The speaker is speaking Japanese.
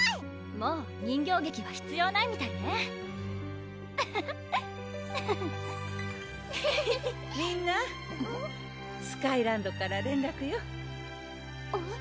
もう人形劇は必要ないみたいねウフフフフフ・みんな・スカイランドから連絡よえっ？